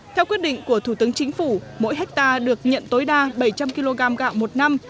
theo quyết định của thủ tướng chính phủ mỗi hectare được nhận tối đa bảy trăm linh kg gạo một năm